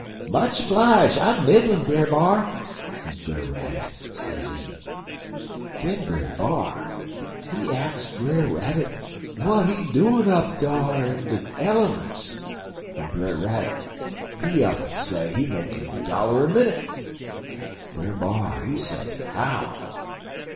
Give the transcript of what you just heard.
"'Much oblije, I'm middlin', Brer B'ar,' sez Brer Rabbit, sezee. "Den Brer B'ar, he ax Brer Rabbit w'at he doin' up dar in de elements, en Brer Rabbit, he up'n say he makin' dollar minnit. Brer B'ar, he say how.